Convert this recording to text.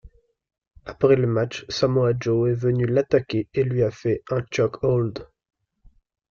Après le match, Samoa Joe est venu l'attaquer et lui a fait un Chokehold.